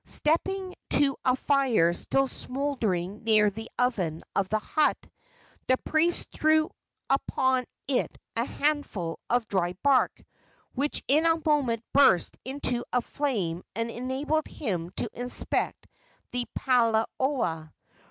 Stepping to a fire still smouldering near the oven of the hut, the priest threw upon it a handful of dry bark, which in a moment burst into a flame and enabled him to inspect the palaoa.